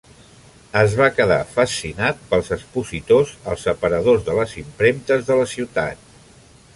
Es va quedar fascinat pels expositors als aparadors de les impremtes de la ciutat.